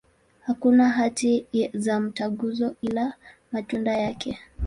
Hakuna hati za mtaguso, ila matunda yake.